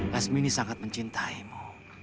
lasmini sangat mencintaimu